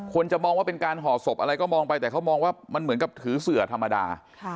จะมองว่าเป็นการห่อศพอะไรก็มองไปแต่เขามองว่ามันเหมือนกับถือเสือธรรมดา